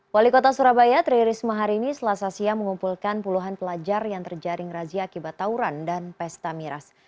wali kota surabaya tri risma hari ini selasa siang mengumpulkan puluhan pelajar yang terjaring razia akibat tauran dan pesta miras